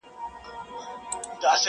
مور تر ټولو زياته ځورېږي تل,